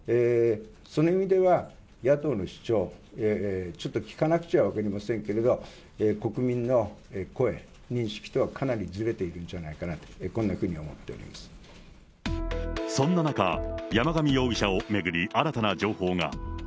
その意味では、野党の主張、ちょっと聞かなくちゃ分かりませんけれども、国民の声、認識とはかなりずれているんじゃないかなと、こんなふうに思ってそんな中、山上容疑者を巡り、新たな情報が。